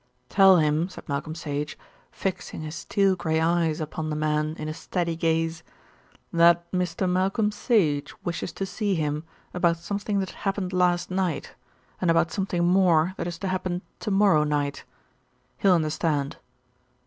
"Tell him," said Malcolm Sage, fixing his steel grey eyes upon the man in a steady gaze, "that Mr. Malcolm Sage wishes to see him about something that happened last night, and about something more that is to happen to morrow night. He'll understand."